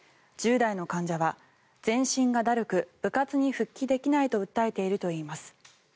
１０代の患者は全身がだるく部活に復帰できないと訴えているといいます。